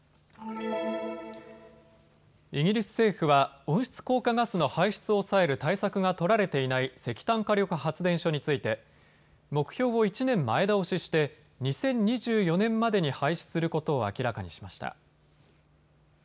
イギリス政府は温室効果ガスの排出を抑える対策が取られていない石炭火力発電所について目標を１年前倒しして２０２４年までに廃止することを明らかにしました。